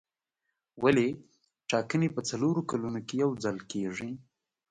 ولې ټاکنې په څلورو کلونو کې یو ځل کېږي.